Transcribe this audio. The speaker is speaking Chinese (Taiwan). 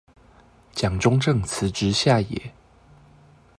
蔣中正辭職下野